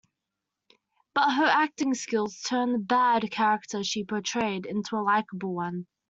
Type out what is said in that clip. But her acting skills turned the "bad" character she portrayed into a likeable one.